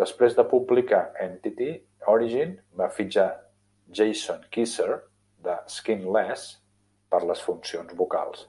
Després de publicar "Entity", Origin va fitxar Jason Keyser de Skinless per les funcions vocals.